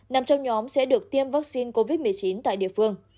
nằm trong nhóm sẽ được tiêm vắc xin covid một mươi chín tại địa phương